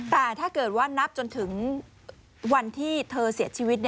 แต่ถ้าเกิดว่านับจนถึงวันที่เธอเสียชีวิต